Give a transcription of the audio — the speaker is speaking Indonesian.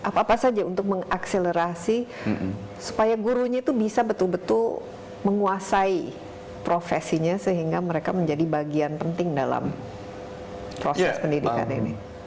apa apa saja untuk mengakselerasi supaya gurunya itu bisa betul betul menguasai profesinya sehingga mereka menjadi bagian penting dalam proses pendidikan ini